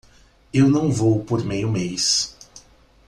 Eu não vou por meio mês.